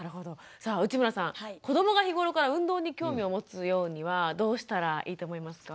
さあ内村さん子どもが日頃から運動に興味を持つようにはどうしたらいいと思いますか？